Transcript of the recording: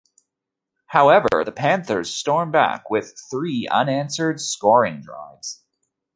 However, the Panthers stormed back with three unanswered scoring drives.